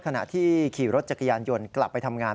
ขณะที่ขี่รถจักรยานยนต์กลับไปทำงาน